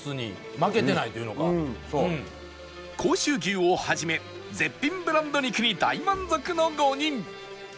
甲州牛をはじめ絶品ブランド肉に大満足の５人